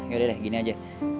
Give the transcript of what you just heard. yaudah deh gini aja